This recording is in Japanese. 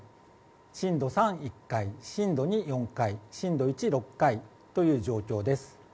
震度３、１回、震度２、１回震度１、６回という状況です。